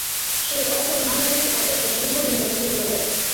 She is also an honorary professor at the Technical University of Berlin.